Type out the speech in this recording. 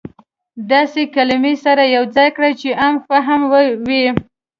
داسې کلمې سره يو ځاى کړى چې عام فهمه وي.